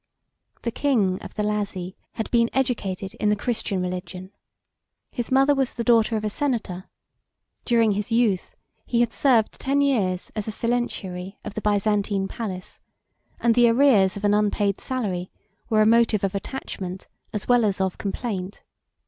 8611 The king of the Lazi had been educated in the Christian religion; his mother was the daughter of a senator; during his youth he had served ten years a silentiary of the Byzantine palace, 87 and the arrears of an unpaid salary were a motive of attachment as well as of complaint.